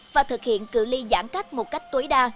và thực hiện cử ly giãn cách một cách tối đa